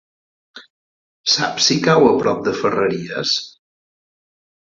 Saps si cau a prop de Ferreries?